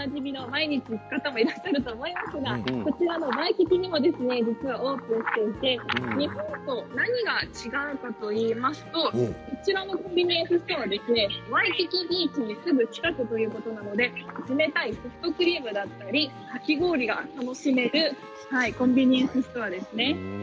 毎日行く方もいらっしゃるかと思いますがこちらのワイキキにもオープンしていて日本と何が違うかといいますとこちらのコンビニエンスストアワイキキビーチすぐ近くということなので冷たいソフトクリームだったりかき氷が楽しめるコンビニエンスストアですね。